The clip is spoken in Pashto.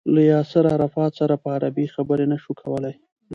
له ياسر عرفات سره په عربي خبرې نه شوای کولای.